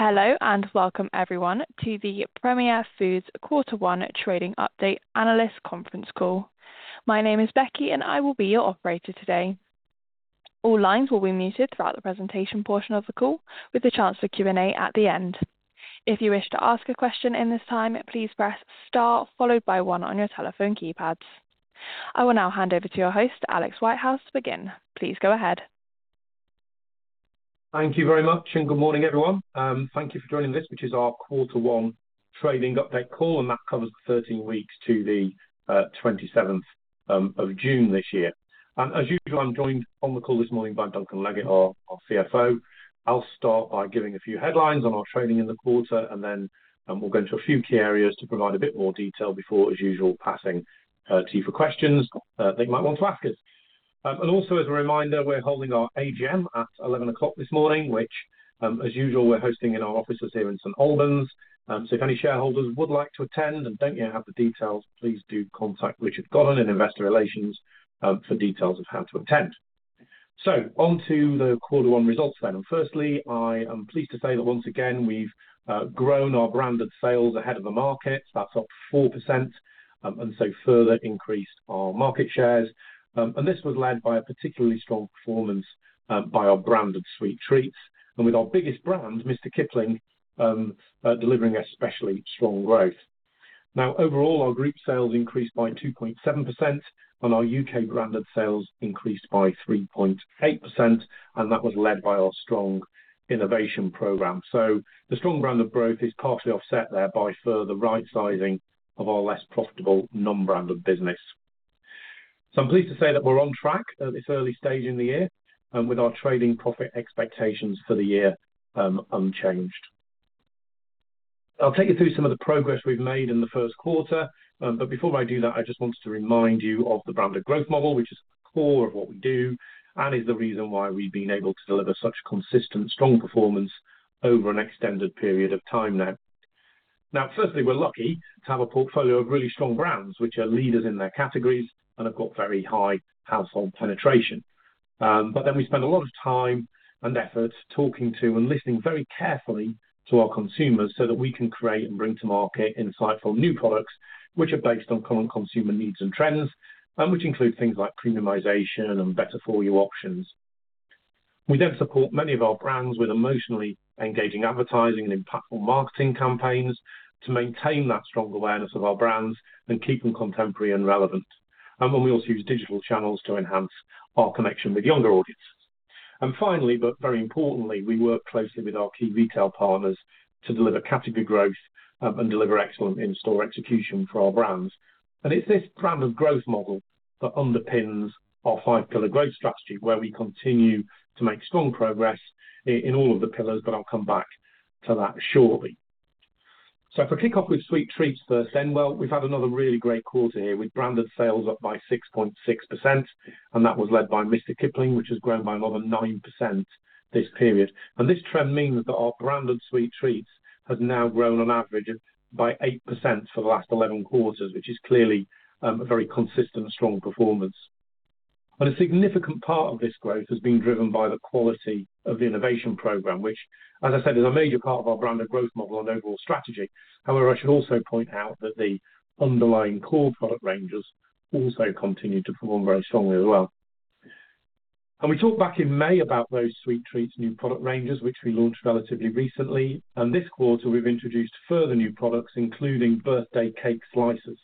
Hello and welcome everyone to the Premier Foods quarter one trading update analyst conference call. My name is Becky and I will be your operator today. All lines will be muted throughout the presentation portion of the call, with the chance for Q&A at the end. If you wish to ask a question in this time, please press star followed by one on your telephone keypads. I will now hand over to your host, Alex Whitehouse, to begin. Please go ahead. Thank you very much and good morning, everyone. Thank you for joining this, which is our quarter one trading update call, that covers the 13 weeks to the 27th of June this year. As usual, I'm joined on the call this morning by Duncan Leggett, our CFO. I'll start by giving a few headlines on our trading in the quarter, then we'll go into a few key areas to provide a bit more detail before, as usual, passing to you for questions that you might want to ask us. Also as a reminder, we're holding our AGM at 11:00 A.M. this morning which, as usual, we're hosting in our offices here in St Albans. If any shareholders would like to attend and don't yet have the details, please do contact Richard Godden in investor relations for details of how to attend. Onto the quarter one results then. Firstly, I am pleased to say that once again, we've grown our branded sales ahead of the market. That's up 4%, further increased our market shares. This was led by a particularly strong performance by our branded Sweet Treats and with our biggest brand, Mr. Kipling, delivering especially strong growth. Overall, our group sales increased by 2.7% and our U.K. branded sales increased by 3.8%, that was led by our strong innovation program. The strong Branded Growth Model is partially offset there by further right sizing of our less profitable non-branded business. I'm pleased to say that we're on track at this early stage in the year with our Trading profit expectations for the year unchanged. I'll take you through some of the progress we've made in the first quarter. Before I do that, I just wanted to remind you of the Branded Growth Model, which is the core of what we do and is the reason why we've been able to deliver such consistent, strong performance over an extended period of time now. Firstly, we're lucky to have a portfolio of really strong brands which are leaders in their categories and have got very high household penetration. We spend a lot of time and effort talking to and listening very carefully to our consumers so that we can create and bring to market insightful new products which are based on current consumer needs and trends, which include things like premiumization and better for you options. We support many of our brands with emotionally engaging advertising and impactful marketing campaigns to maintain that strong awareness of our brands and keep them contemporary and relevant. We also use digital channels to enhance our connection with younger audiences. Finally, but very importantly, we work closely with our key retail partners to deliver category growth and deliver excellent in-store execution for our brands. It is this Branded Growth Model that underpins our five-pillar growth strategy, where we continue to make strong progress in all of the pillars, I will come back to that shortly. If I kick off with Sweet Treats first, we have had another really great quarter here with branded sales up by 6.6%, that was led by Mr Kipling, which has grown by more than 9% this period. This trend means that our branded Sweet Treats have now grown on average by 8% for the last 11 quarters, which is clearly a very consistent, strong performance. A significant part of this growth has been driven by the quality of the innovation program, which as I said, is a major part of our Branded Growth Model and overall strategy. However, I should also point out that the underlying core product ranges also continue to perform very strongly as well. We talked back in May about those Sweet Treats new product ranges, which we launched relatively recently. This quarter, we have introduced further new products, including Birthday Cake Slices,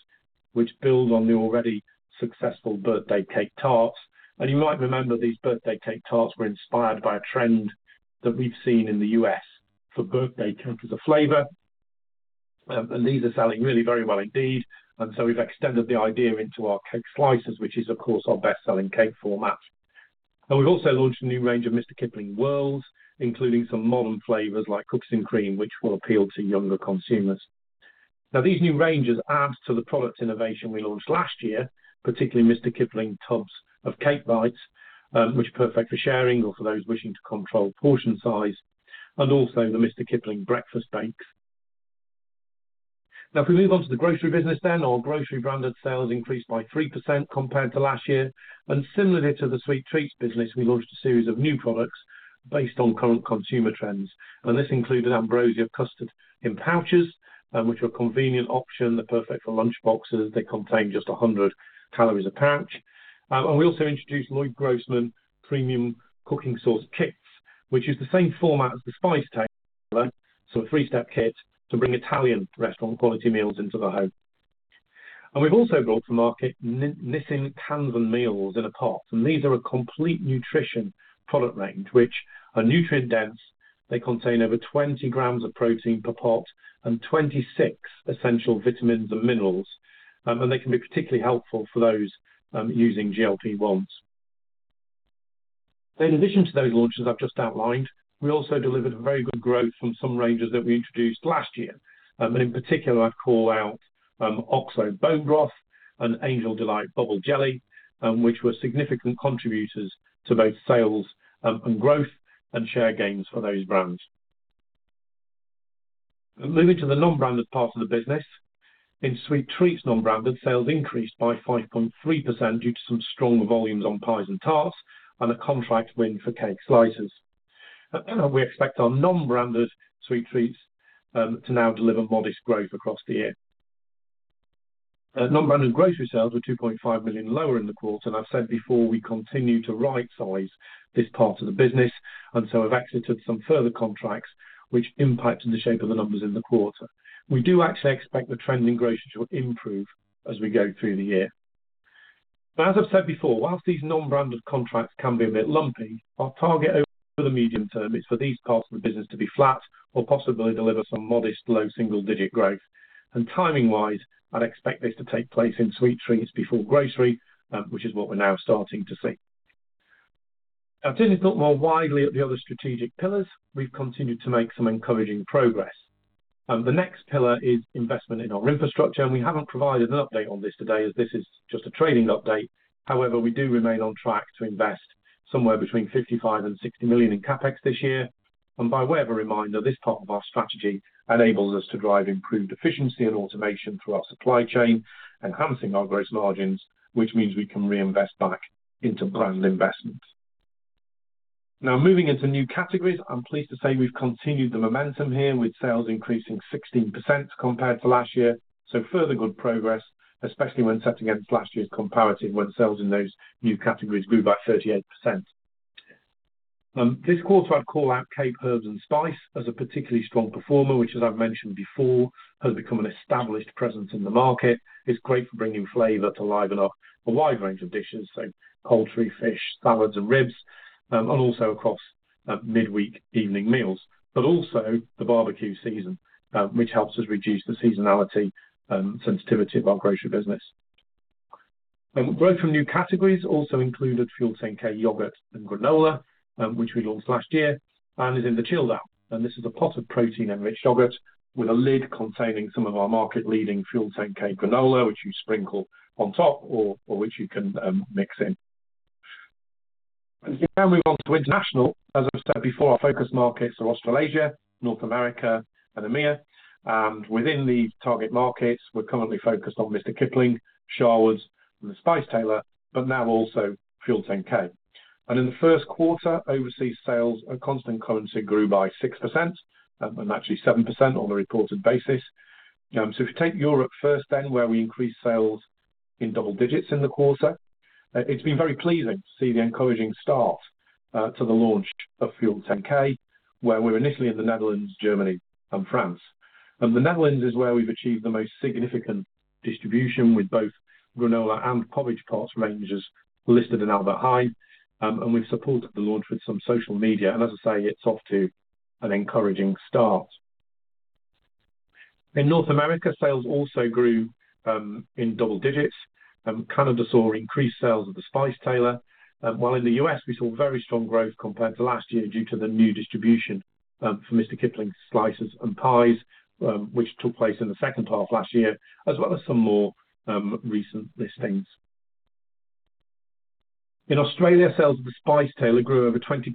which build on the already successful Birthday Cake Tarts. You might remember these Birthday Cake Tarts were inspired by a trend that we have seen in the U.S. for birthday cake as a flavor, these are selling really very well indeed. We have extended the idea into our cake slices, which is of course, our best-selling cake format. We have also launched a new range of Mr Kipling Whirls, including some modern flavors like Cookies & Cream, which will appeal to younger consumers. These new ranges add to the product innovation we launched last year, particularly Mr Kipling Cake Bites, which are perfect for sharing or for those wishing to control portion size, and also the Mr Kipling Breakfast Bakes. If we move on to the grocery business, our grocery branded sales increased by 3% compared to last year. Similarly to the Sweet Treats business, we launched a series of new products based on current consumer trends. This included Ambrosia custard in pouches, which are a convenient option. They are perfect for lunchboxes. They contain just 100 calories a pouch. We also introduced Loyd Grossman premium cooking sauce kits, which is the same format as The Spice Tailor, a three-step kit to bring Italian restaurant quality meals into the home. We have also brought to market Nissin Kanzen meals in a pot, these are a complete nutrition product range, which are nutrient dense. They contain over 20 grams of protein per pot and 26 essential vitamins and minerals. They can be particularly helpful for those using GLP-1s. In addition to those launches I have just outlined, we also delivered very good growth from some ranges that we introduced last year. In particular, I would call out OXO Bone Broth and Angel Delight Bubble Jelly, which were significant contributors to both sales and growth and share gains for those brands. Moving to the non-branded part of the business, in Sweet Treats non-branded, sales increased by 5.3% due to some stronger volumes on pies and tarts, and a contract win for cake slices. We expect our non-branded Sweet Treats to now deliver modest growth across the year. Non-branded grocery sales were 2.5 million lower in the quarter. I've said before, we continue to right-size this part of the business, and so have exited some further contracts which impacted the shape of the numbers in the quarter. We do actually expect the trend in grocery to improve as we go through the year. As I've said before, whilst these non-branded contracts can be a bit lumpy, our target over the medium term is for these parts of the business to be flat or possibly deliver some modest low single digit growth. Timing wise, I'd expect this to take place in Sweet Treats before grocery, which is what we're now starting to see. Turning to look more widely at the other strategic pillars, we've continued to make some encouraging progress. The next pillar is investment in our infrastructure, and we haven't provided an update on this today as this is just a trading update. However, we do remain on track to invest somewhere between 55 million and 60 million in CapEx this year. By way of a reminder, this part of our strategy enables us to drive improved efficiency and automation through our supply chain, enhancing our gross margins, which means we can reinvest back into brand investment. Now moving into new categories, I'm pleased to say we've continued the momentum here with sales increasing 16% compared to last year, so further good progress, especially when set against last year's comparative when sales in those new categories grew by 38%. This quarter, I'd call out Cape Herb & Spice as a particularly strong performer, which as I've mentioned before, has become an established presence in the market. It's great for bringing flavor to liven up a wide range of dishes, so poultry, fish, salads, and ribs, and also across midweek evening meals, but also the barbecue season, which helps us reduce the seasonality sensitivity of our grocery business. Growth from new categories also included FUEL10K yogurt and granola, which we launched last year and is in the chill aisle. This is a pot of protein-enriched yogurt with a lid containing some of our market leading FUEL10K granola, which you sprinkle on top or which you can mix in. If we now move on to international, as I've said before, our focus markets are Australasia, North America and EMEA, and within the target markets, we're currently focused on Mr Kipling, Sharwood's, and The Spice Tailor, but now also FUEL10K. In the first quarter, overseas sales at constant currency grew by 6%, and actually 7% on a reported basis. If you take Europe first then, where we increased sales in double digits in the quarter, it's been very pleasing to see the encouraging start to the launch of FUEL10K, where we're initially in the Netherlands, Germany and France. The Netherlands is where we've achieved the most significant distribution with both granola and porridge pots ranges listed in Albert Heijn. We've supported the launch with some social media. As I say, it's off to an encouraging start. In North America, sales also grew in double digits. Canada saw increased sales of The Spice Tailor, while in the U.S. we saw very strong growth compared to last year due to the new distribution for Mr Kipling's slices and pies, which took place in the second half last year, as well as some more recent listings. In Australia, sales of The Spice Tailor grew over 20%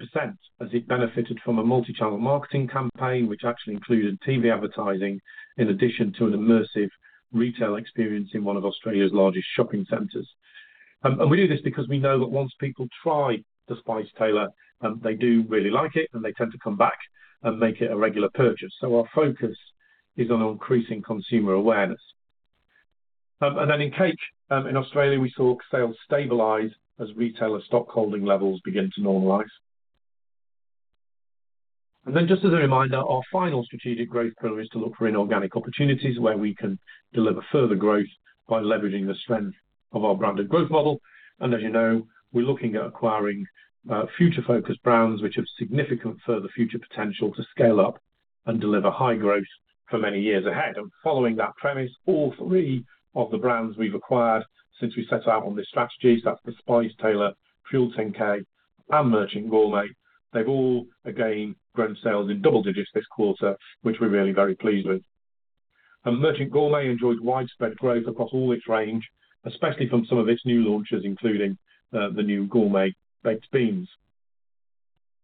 as it benefited from a multi-channel marketing campaign, which actually included TV advertising in addition to an immersive retail experience in one of Australia's largest shopping centers. We do this because we know that once people try The Spice Tailor, they do really like it, and they tend to come back and make it a regular purchase. Our focus is on increasing consumer awareness. In cake, in Australia, we saw sales stabilize as retailer stock holding levels begin to normalize. Just as a reminder, our final strategic growth pillar is to look for inorganic opportunities where we can deliver further growth by leveraging the strength of our Branded Growth Model. As you know, we're looking at acquiring future focused brands which have significant further future potential to scale up and deliver high growth for many years ahead. Following that premise, all three of the brands we've acquired since we set out on this strategy, so that's The Spice Tailor, FUEL10K, and Merchant Gourmet. They've all again grown sales in double digits this quarter, which we're really very pleased with. Merchant Gourmet enjoyed widespread growth across all its range, especially from some of its new launches, including the new Gourmet Baked Beans.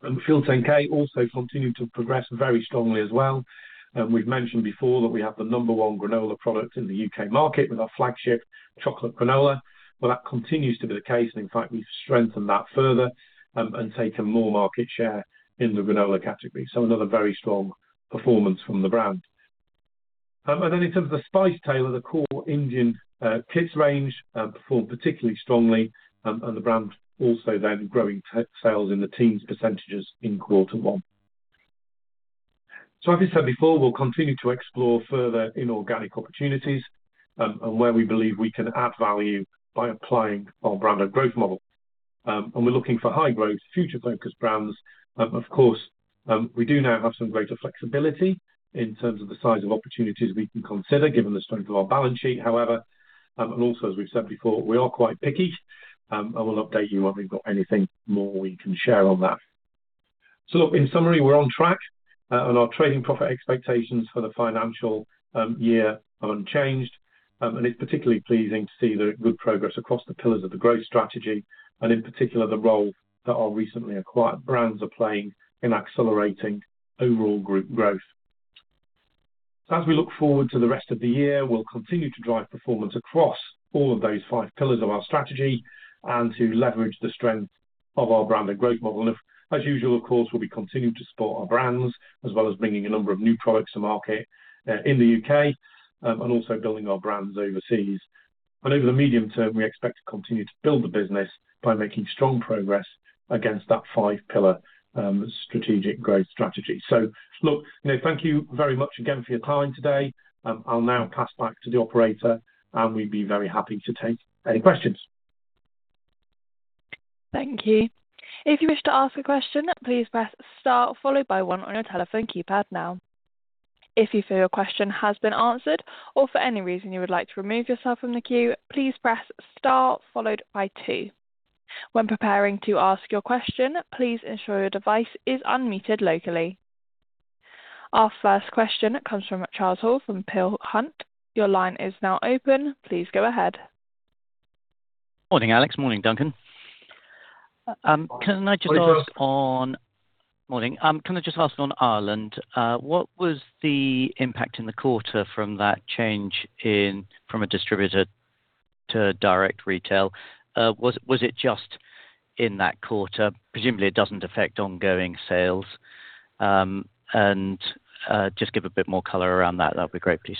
FUEL10K also continued to progress very strongly as well. We've mentioned before that we have the number one granola product in the U.K. market with our flagship Chocolate Granola. That continues to be the case and in fact, we've strengthened that further and taken more market share in the granola category. Another very strong performance from the brand. In terms of The Spice Tailor, the core Indian kits range performed particularly strongly, and the brand also then growing sales in the teens percentages in quarter one. As I said before, we'll continue to explore further inorganic opportunities, and where we believe we can add value by applying our Branded Growth Model. We're looking for high growth, future focused brands. We do now have some greater flexibility in terms of the size of opportunities we can consider given the strength of our balance sheet, however, and also as we've said before, we are quite picky, and we'll update you when we've got anything more we can share on that. In summary, we're on track, and our trading profit expectations for the financial year are unchanged. It's particularly pleasing to see the good progress across the pillars of the growth strategy, and in particular, the role that our recently acquired brands are playing in accelerating overall group growth. As we look forward to the rest of the year, we'll continue to drive performance across all of those five pillars of our strategy and to leverage the strength of our Branded Growth Model. As usual, of course, we'll be continuing to support our brands, as well as bringing a number of new products to market in the U.K. and also building our brands overseas. Over the medium term, we expect to continue to build the business by making strong progress against that five pillar strategic growth strategy. Look, thank you very much again for your time today. I'll now pass back to the operator, and we'd be very happy to take any questions. Thank you. If you wish to ask a question, please press star followed by one on your telephone keypad now. If you feel your question has been answered or for any reason you would like to remove yourself from the queue, please press star followed by two. When preparing to ask your question, please ensure your device is unmuted locally. Our first question comes from Charles Hall from Peel Hunt. Your line is now open. Please go ahead. Morning, Alex. Morning, Duncan. Morning, Charles. Morning. Can I just ask on Ireland, what was the impact in the quarter from that change from a distributor to direct retail? Was it just in that quarter? Presumably, it doesn't affect ongoing sales. Just give a bit more color around that. That'd be great, please.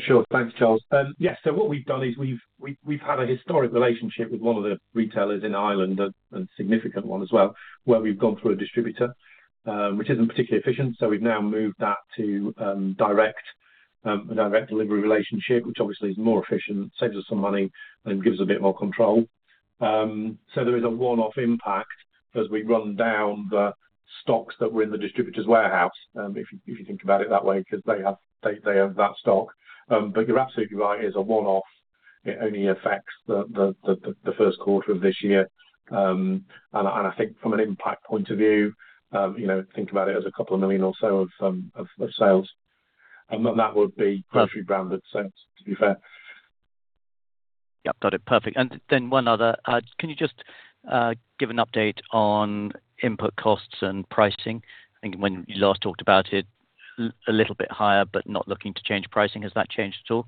Sure. Thanks, Charles. What we've done is we've had a historic relationship with one of the retailers in Ireland, a significant one as well, where we've gone through a distributor, which isn't particularly efficient. We've now moved that to a direct delivery relationship, which obviously is more efficient, saves us some money, and gives a bit more control. There is a one-off impact as we run down the stocks that were in the distributor's warehouse, if you think about it that way, because they have that stock. You're absolutely right, it is a one-off. It only affects the first quarter of this year. I think from an impact point of view, think about it as a couple of million or so of sales. That would be grocery branded sales, to be fair. Yep, got it. Perfect. One other. Can you just give an update on input costs and pricing? I think when you last talked about it, a little bit higher, but not looking to change pricing. Has that changed at all?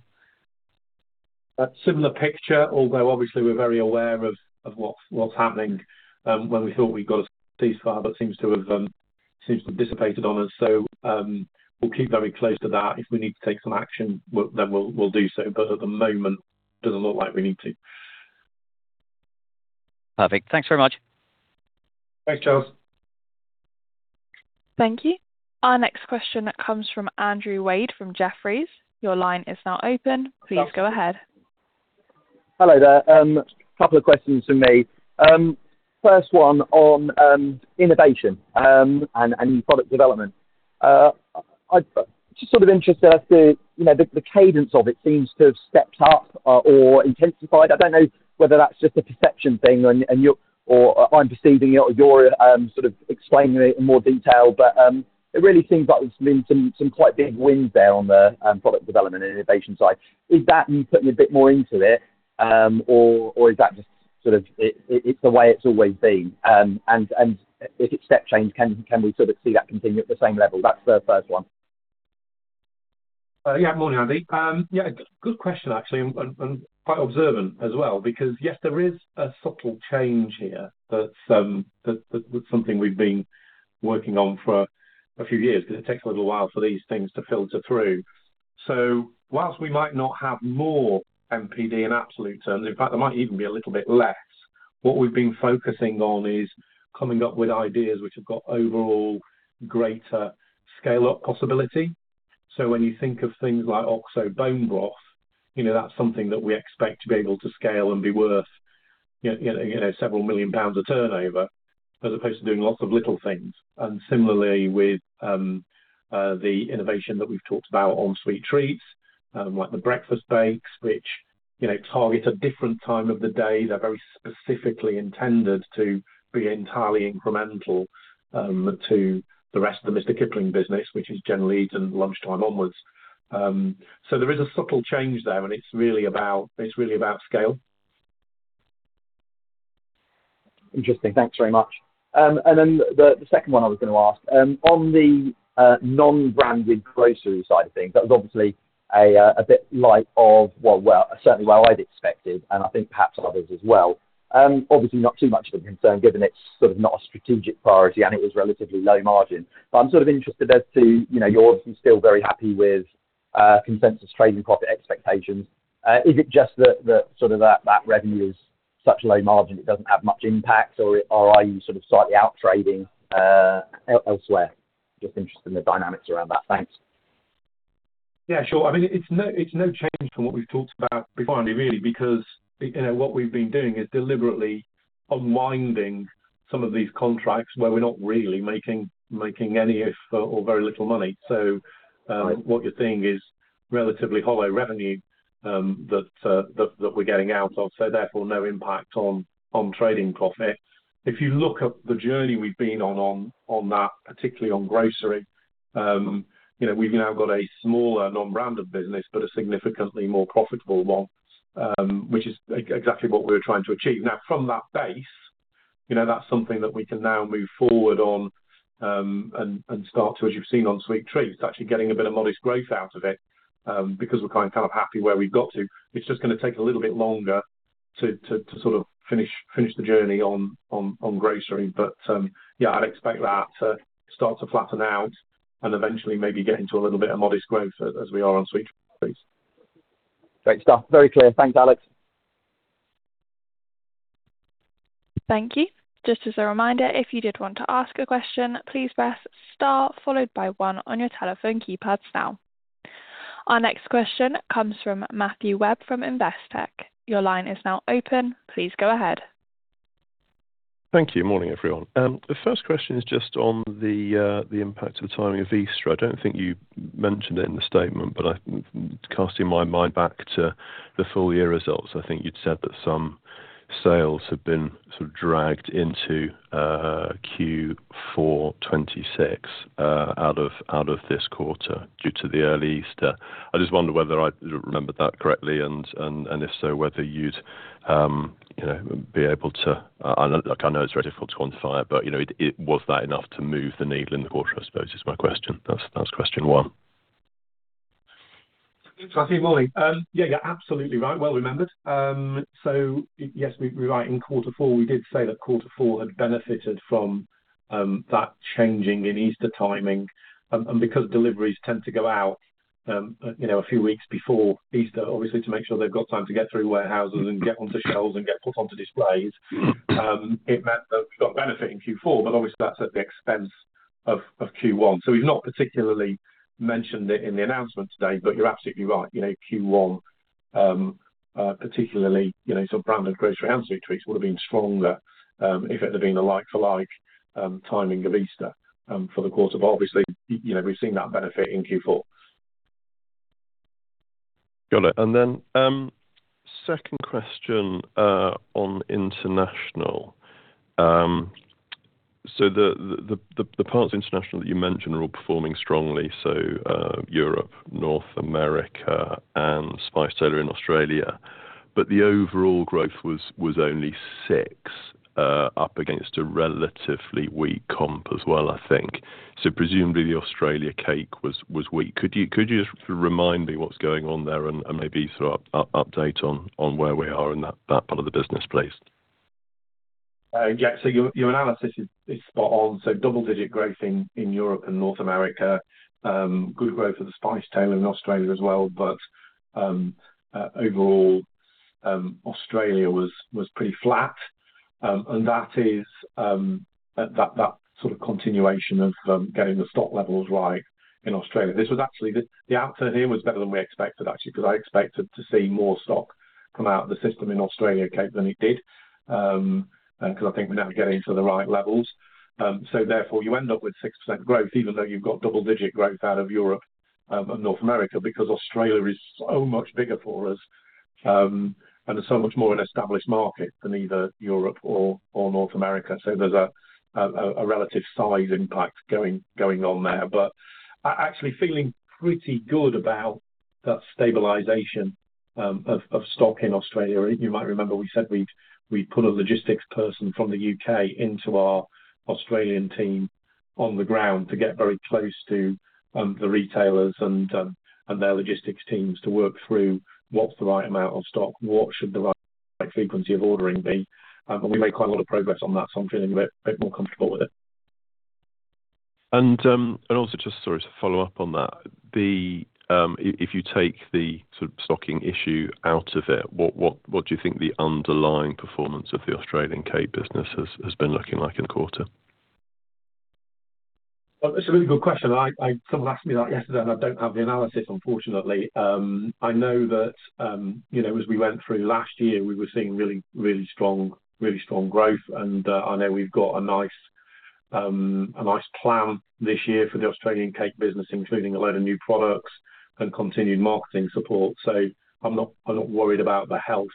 Similar picture, although obviously we're very aware of what's happening. When we thought we got a ceasefire, that seems to have dissipated on us. We'll keep very close to that. If we need to take some action, then we'll do so. At the moment, doesn't look like we need to. Perfect. Thanks very much. Thanks, Charles. Thank you. Our next question comes from Andrew Wade from Jefferies. Your line is now open. Please go ahead. Hello there. A couple of questions from me. First one on innovation and new product development. Just sort of interested as to the cadence of it seems to have stepped up or intensified. I don't know whether that's just a perception thing, or I'm perceiving it, or you're sort of explaining it in more detail, but it really seems like there's been some quite big wins there on the product development and innovation side. Is that you putting a bit more into it, or is that just sort of it's the way it's always been? If it's step change, can we sort of see that continue at the same level? That's the first one. Good morning, Andy. Good question, actually, and quite observant as well, because yes, there is a subtle change here that's something we've been working on for a few years, because it takes a little while for these things to filter through. Whilst we might not have more NPD in absolute terms, in fact, there might even be a little bit less, what we've been focusing on is coming up with ideas which have got overall greater scale-up possibility. When you think of things like OXO Bone Broth, that's something that we expect to be able to scale and be worth several million pounds of turnover, as opposed to doing lots of little things. Similarly, with the innovation that we've talked about on Sweet Treats, like the breakfast bakes, which target a different time of the day. They're very specifically intended to be entirely incremental to the rest of the Mr Kipling business, which is generally eaten lunchtime onwards. There is a subtle change there, and it's really about scale. Interesting. Thanks very much. The second one I was going to ask. On the non-branded grocery side of things, that was obviously a bit light of, well, certainly what I'd expected, and I think perhaps others as well. Obviously, not too much of a concern given it's sort of not a strategic priority and it was relatively low margin. I'm sort of interested as to you're obviously still very happy with consensus trading profit expectations. Is it just that sort of that revenue is such low margin, it doesn't have much impact, or are you sort of slightly out-trading elsewhere? Just interested in the dynamics around that. Thanks. Sure. I mean, it's no change from what we've talked about before, Andy, really because what we've been doing is deliberately unwinding some of these contracts where we're not really making any or very little money. Right. What you're seeing is relatively hollow revenue we're getting out of, therefore, no impact on trading profit. If you look at the journey we've been on that, particularly on grocery, we've now got a smaller non-branded business, but a significantly more profitable one, which is exactly what we were trying to achieve. From that base, that's something that we can now move forward on and start to, as you've seen on Sweet Treats, actually getting a bit of modest growth out of it, because we're happy where we've got to. It's just going to take a little bit longer to finish the journey on grocery. Yeah, I'd expect that to start to flatten out and eventually maybe get into a little bit of modest growth as we are on Sweet Treats. Great stuff. Very clear. Thanks, Alex. Thank you. Just as a reminder, if you did want to ask a question, please press star followed by one on your telephone keypads now. Our next question comes from Matthew Webb from Investec. Your line is now open. Please go ahead. Thank you. Morning, everyone. The first question is just on the impact of the timing of Easter. I don't think you mentioned it in the statement, but casting my mind back to the full year results, I think you'd said that some sales have been dragged into Q4 2026 out of this quarter due to the early Easter. I just wonder whether I remembered that correctly, and if so, whether you'd be able to—I know it's very difficult to quantify, but was that enough to move the needle in the quarter, I suppose, is my question. That's question one. Matthew, morning. Yeah, absolutely right. Well remembered. Yes, we were right in quarter four, we did say that quarter four had benefited from that changing in Easter timing. Because deliveries tend to go out a few weeks before Easter, obviously, to make sure they've got time to get through warehouses and get onto shelves and get put onto displays, it meant that we got benefit in Q4, but obviously that's at the expense of Q1. We've not particularly mentioned it in the announcement today, but you're absolutely right. Q1, particularly, branded grocery and Sweet Treats would've been stronger if it had been a like for like timing of Easter for the course of obviously, we've seen that benefit in Q4. Got it. Second question on international. The parts international that you mentioned are all performing strongly, Europe, North America, and The Spice Tailor in Australia. But the overall growth was only six up against a relatively weak comp as well, I think. Presumably the Australia cake was weak. Could you just remind me what's going on there and maybe throw an update on where we are in that part of the business, please? Yeah. Your analysis is spot on. Double digit growth in Europe and North America. Good growth for The Spice Tailor in Australia as well. But overall, Australia was pretty flat. That is that continuation of getting the stock levels right in Australia. The answer here was better than we expected, actually, because I expected to see more stock come out of the system in Australian cake, than it did, because I think we're now getting to the right levels. You end up with 6% growth, even though you've got double digit growth out of Europe and North America because Australia is so much bigger for us, and it's so much more an established market than either Europe or North America. There's a relative size impact going on there. Actually feeling pretty good about that stabilization of stock in Australia. You might remember we said we put a logistics person from the U.K. into our Australian team on the ground to get very close to the retailers and their logistics teams to work through what's the right amount of stock, what should the right frequency of ordering be. We made quite a lot of progress on that, I'm feeling a bit more comfortable with it. Just sorry to follow up on that. If you take the stocking issue out of it, what do you think the underlying performance of the Australian cake business has been looking like in quarter? That's a really good question. Someone asked me that yesterday, I don't have the analysis, unfortunately. I know that as we went through last year, we were seeing really strong growth. I know we've got a nice plan this year for the Australian cake business, including a load of new products and continued marketing support. So I'm not worried about the health,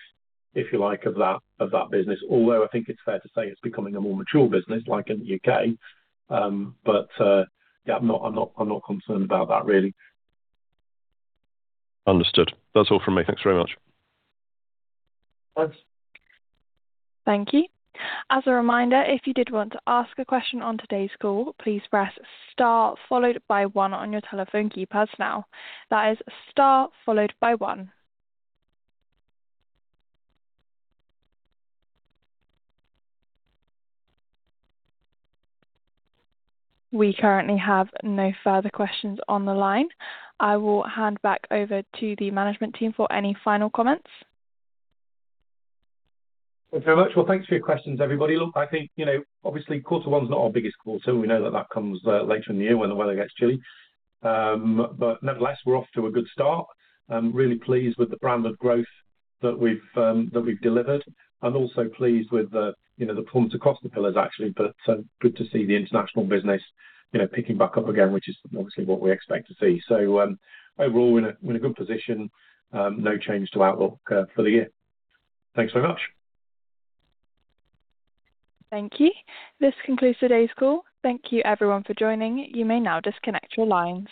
if you like, of that business. Although, I think it's fair to say it's becoming a more mature business like in the U.K. Yeah, I'm not concerned about that really. Understood. That's all from me. Thanks very much. Thanks. Thank you. As a reminder, if you did want to ask a question on today's call, please press star followed by one on your telephone keypads now. That is star followed by one. We currently have no further questions on the line. I will hand back over to the management team for any final comments. Thank you very much. Well, thanks for your questions, everybody. Look, I think, obviously, quarter one is not our biggest quarter. We know that that comes later in the year when the weather gets chilly. Nonetheless, we're off to a good start. I'm really pleased with the branded growth that we've delivered. I'm also pleased with the performance across the pillars, actually. Good to see the international business picking back up again, which is obviously what we expect to see. Overall, we're in a good position. No change to outlook for the year. Thanks so much. Thank you. This concludes today's call. Thank you everyone for joining. You may now disconnect your lines.